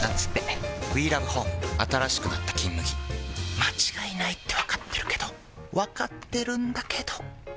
まちがいないってわかっているけどわかっているんだけどん！